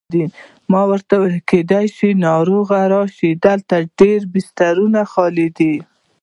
ما ورته وویل: کېدای شي ناروغان راشي، دلته ډېر بسترونه خالي دي.